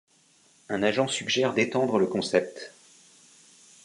Un agent suggère d'étendre le concept.